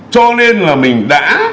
cho nên là mình đã